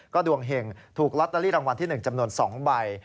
ดวงเห็งถูกลอตเตอรี่รางวัลที่๑จำนวน๒ใบ